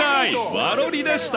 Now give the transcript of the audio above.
和ロリでした。